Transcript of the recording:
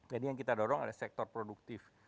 jadi yang kita dorong adalah sektor produktif